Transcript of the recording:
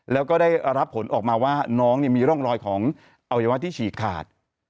แล้วก็ได้รับผลออกมาว่าน้องมีร่องรอยของอวัยวะที่ฉีกขาด